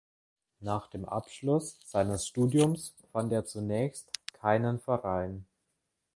Nach dem Abschluss seines Studiums fand er zunächst keinen Verein.